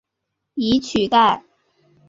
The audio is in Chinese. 以取代。